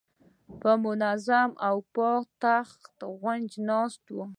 په منظم او پاک تخت غونجه ناسته وه.